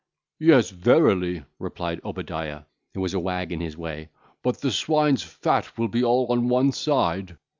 "Yes, verily," replied Obadiah, who was a wag in his way, "but the swine's fat will be all on one side."